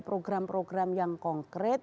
program program yang konkret